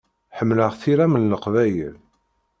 Ḥemmleɣ tiram n Leqbayel.